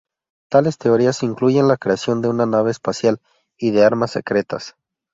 Tales teorías incluyen la creación de una nave espacial y de armas secretas.